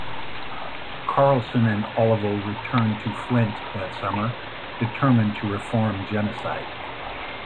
Carlson and Olivo returned to Flint that summer, determined to reform Genocide.